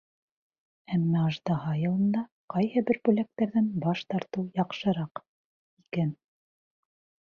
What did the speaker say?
Әммә Аждаһа йылында ҡайһы бер бүләктәрҙән баш тартыу яҡшыраҡ икән.